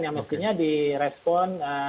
yang mestinya direspon